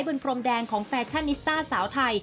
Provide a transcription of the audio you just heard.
พรมแดงของแฟชั่นนิสต้าสาวไทย